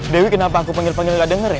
dewi kenapa aku panggil panggil gak denger ya